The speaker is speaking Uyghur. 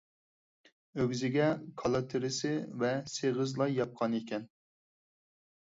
ئۆگزىگە كالا تېرىسى ۋە سېغىز لاي ياپقانىكەن.